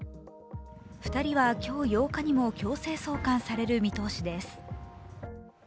２人は今日８日にも強制送還される見通しです。